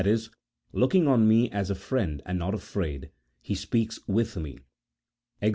e. looking on me as a friend and not afraid, he speaks with me (cf.